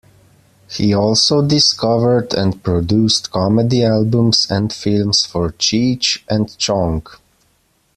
He also discovered and produced comedy albums and films for Cheech and Chong.